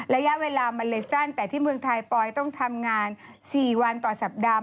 ระยะเวลามันเลยสั้นแต่ที่เมืองไทยปอยต้องทำงาน๔วันต่อสัปดาห์